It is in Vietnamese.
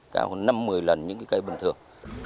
cao hơn năm mươi lần những cây bình thường